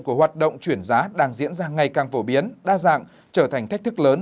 của hoạt động chuyển giá đang diễn ra ngày càng phổ biến đa dạng trở thành thách thức lớn